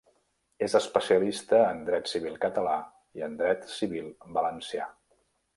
És especialista en Dret Civil català i en Dret Civil valencià.